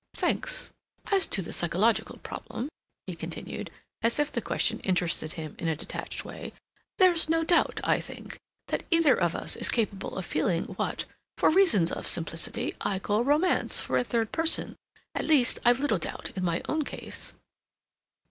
"Thanks. As to the psychological problem," he continued, as if the question interested him in a detached way, "there's no doubt, I think, that either of us is capable of feeling what, for reasons of simplicity, I call romance for a third person—at least, I've little doubt in my own case."